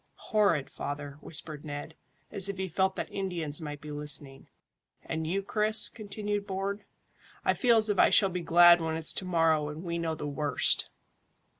"Horrid, father," whispered Ned, as if he felt that Indians might be listening. "And you, Chris?" continued Bourne. "I feel as if I shall be glad when it's to morrow and we know the worst."